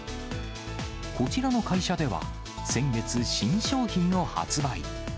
こちらの会社では、先月、新商品を発売。